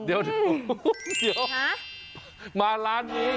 เดี๋ยวมาร้านนี้